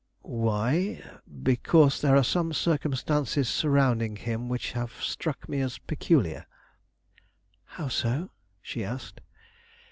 "Why? because there are some circumstances surrounding him which have struck me as peculiar." "How so?" she asked.